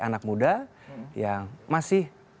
anak muda yang masih